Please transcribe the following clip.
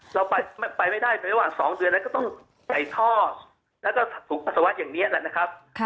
เราไปไม่ได้ในระหว่าง๒เดือนแล้วก็ต้องใส่ท่อแล้วก็ถุงปัสสาวะอย่างนี้แหละนะครับ